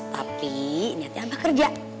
tapi niatnya abah kerja